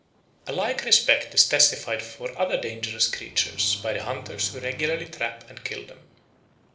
A like respect is testified for other dangerous creatures by the hunters who regularly trap and kill them.